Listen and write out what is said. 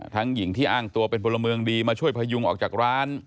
หญิงที่อ้างตัวเป็นพลเมืองดีมาช่วยพยุงออกจากร้าน